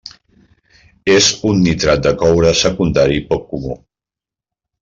És un nitrat de coure secundari poc comú.